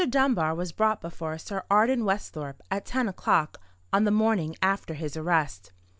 Dunbar was brought before Sir Arden Westhorpe, at ten o'clock, on the morning after his arrest.